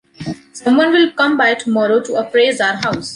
Someone will come by tomorrow to appraise our house.